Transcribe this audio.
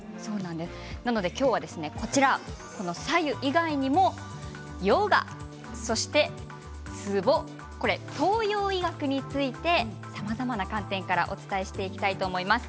今日は白湯以外にもヨガやツボ押し東洋医学についてさまざまな観点からお伝えしていきます。